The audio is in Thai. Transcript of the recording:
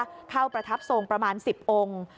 เข้าประทับทรงประมาณ๑๐องค์